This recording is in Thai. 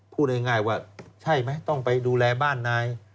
พูดง่ายว่าใช่ไหมต้องไปดูแลบ้านนาย